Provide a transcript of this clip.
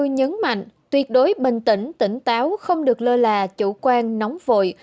nhấn mạnh tuyệt đối bình tĩnh tỉnh táo không được lơ là chủ quan nóng vội